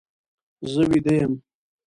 زه ویده یم.